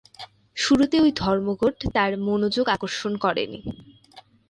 শুরুতে ঐ ধর্মঘট কোন মনোযোগ আকর্ষণ করেনি।